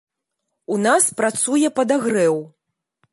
У нас працуе падагрэў.